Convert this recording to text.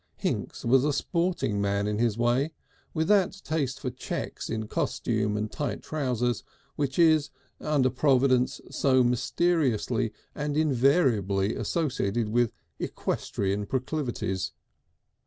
Hinks was a sporting man in his way, with that taste for checks in costume and tight trousers which is, under Providence, so mysteriously and invariably associated with equestrian proclivities.